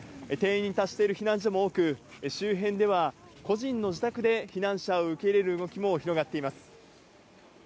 定員に達している避難所も多く周辺では個人の自宅で避難者を受け入れる動きも広がっています。